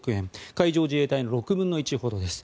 海上自衛隊の６分の１ほどです。